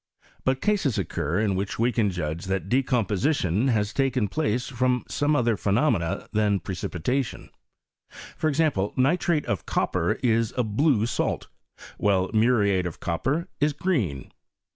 But cases occur in which we can judge that decomposition has taken place from some otber phenomena than precipitation For example, ni trate of copper is a blue salt, while muriate of copper is green.